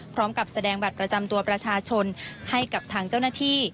พร้อมกับแสดงบัตรประจำตัวประชาชนให้กับทางเจ้าหน้าที่